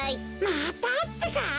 またってか？